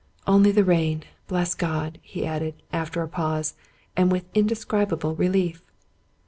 " Only the rain, bless God !" he added, after a pause, and with indescribable relief.